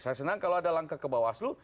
saya senang kalau ada langkah ke bawah aslo